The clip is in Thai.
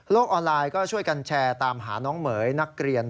ออนไลน์ก็ช่วยกันแชร์ตามหาน้องเหม๋ยนักเรียน